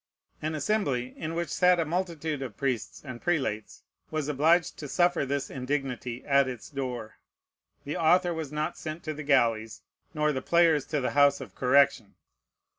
An Assembly in which sat a multitude of priests and prelates was obliged to suffer this indignity at its door. The author was not sent to the galleys, nor the players to the house of correction.